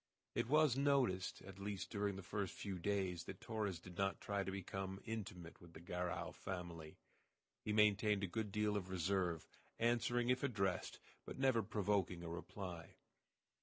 It was noticed, at least during the first few days, that Torres did not try to become intimate with the Garral family. He maintained a good deal of reserve, answering if addressed, but never provoking a reply.